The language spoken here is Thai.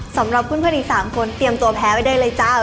สำหรับคุณพยพฤตสามคนเตรียมตัวแพ้ไปด้วยเลยจ้า